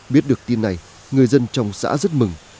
biết được tin này người dân trong xã rất mừng